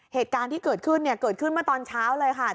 เหตุการณ์ที่เกิดขึ้นเนี่ยเกิดขึ้นเมื่อตอนเช้าเลยค่ะ